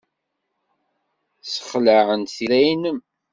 Ssexlaɛent tira-nnem.